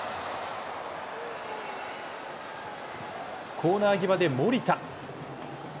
コーナー際で守田。